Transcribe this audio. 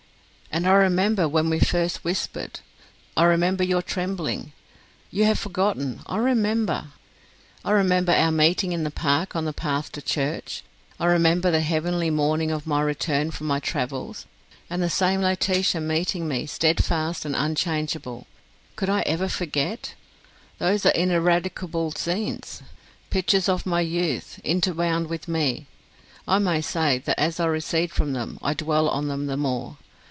And I remember when we first whispered ... I remember your trembling. You have forgotten I remember. I remember our meeting in the park on the path to church. I remember the heavenly morning of my return from my travels, and the same Laetitia meeting me, stedfast and unchangeable. Could I ever forget? Those are ineradicable scenes; pictures of my youth, interwound with me. I may say, that as I recede from them, I dwell on them the more.